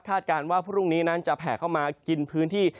การว่าพรุ่งนี้นั้นจะแผ่เข้ามากินพื้นที่